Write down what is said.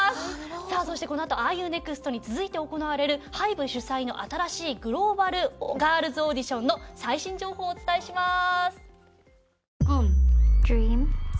さあそしてこのあと『ＲＵＮｅｘｔ？』に続いて行われるＨＹＢＥ主催の新しいグローバルガールズオーディションの最新情報をお伝えします。